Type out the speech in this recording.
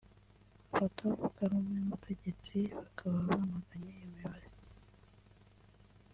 Abatavuga rumwe n’ubutegetsi bakaba bamaganye iyo mibare